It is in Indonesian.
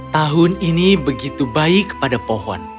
tahun ini begitu baik pada pohon